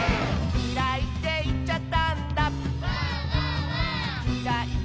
「きらいっていっちゃったんだ」